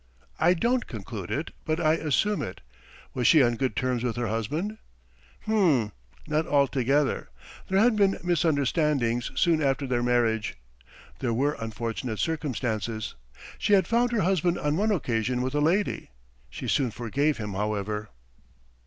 "I don't conclude it, but I assume it. Was she on good terms with her husband?" "H'm, not altogether. There had been misunderstandings soon after their marriage. There were unfortunate circumstances. She had found her husband on one occasion with a lady. She soon forgave him however."